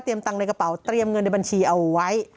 ตังค์ในกระเป๋าเตรียมเงินในบัญชีเอาไว้